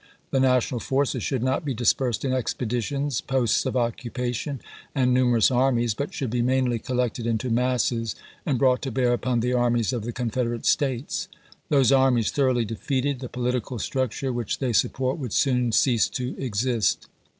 The national forces should not be dispersed in expeditions, posts of occupation, and nu merous armies; but should be mainly collected into masses and brought to bear upon the armies of the Confederate States. Those armies thoroughly defeated, the political structure which they support would soon cease to exist.